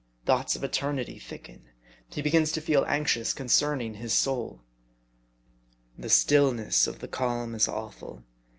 Thoughts of eternity thicken. He begins to feel anxious concerning his soul. The stillness of the calm is awful.